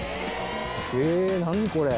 え何これ。